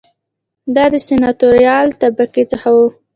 دا د سناتوریال طبقې څخه و